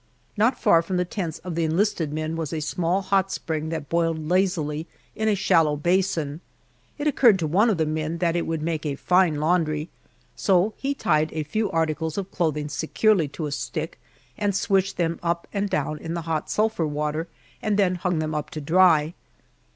Not far from the tents of the enlisted men was a small hot spring that boiled lazily in a shallow basin. It occurred to one of the men that it would make a fine laundry, so he tied a few articles of clothing securely to a stick and swished them up and down in the hot sulphur water and then hung them up to dry.